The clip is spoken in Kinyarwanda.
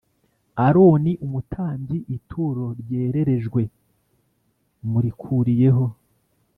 Aroni umutambyi ituro ryererejwe murikuriyeho